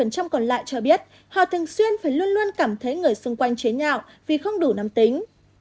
hai mươi hai còn lại cho biết họ thường xuyên phải luôn luôn cảm thấy người xung quanh chế nhạo vì không đủ nam tính